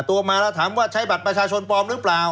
ตัวมาแล้วถามว่าใช้บัตรประชาชนปลอมหรือเปล่า